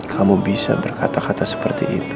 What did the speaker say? kamu bisa berkata kata seperti itu